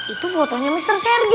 itu fotonya mr sergi